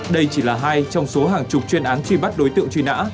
đây chỉ là hai trong số hàng chục chuyên án truy bắt đối tượng truy nã